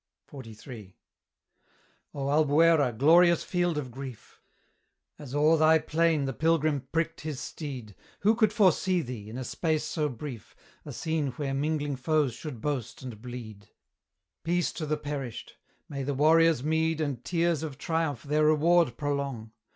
XLIII. O Albuera, glorious field of grief! As o'er thy plain the Pilgrim pricked his steed, Who could foresee thee, in a space so brief, A scene where mingling foes should boast and bleed. Peace to the perished! may the warrior's meed And tears of triumph their reward prolong!